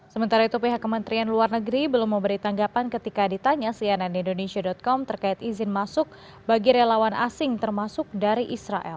sementara itu pihak kementerian luar negeri belum memberi tanggapan ketika ditanya cnn indonesia com terkait izin masuk bagi relawan asing termasuk dari israel